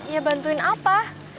ya bantuin apa